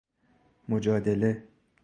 مجادله